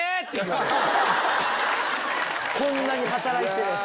こんなに働いて。